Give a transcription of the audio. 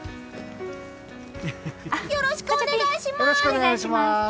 よろしくお願いします！